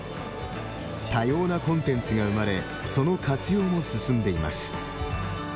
多様なコンテンツが生まれその活用も進んでいます。